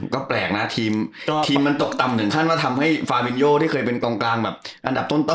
ก็แปลกนะทีมมันตกต่ำถึงขั้นว่าทำให้ฟามินโยที่เคยเป็นกองกลางแบบอันดับต้น